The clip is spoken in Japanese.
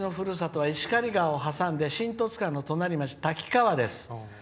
「私のふるさとは石狩川を挟んで新十津川の隣町、滝川です。